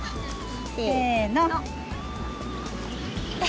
せの。